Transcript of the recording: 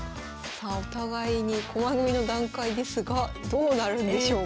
さあお互いに駒組みの段階ですがどうなるんでしょうか。